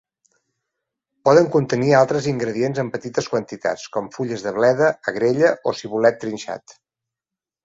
Poden contenir altres ingredients en petites quantitats, com fulles de bleda, agrella o cibulet trinxat.